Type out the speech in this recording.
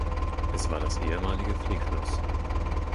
Es war das ehemalige Pflegschloss.